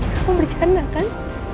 kamu bercanda kan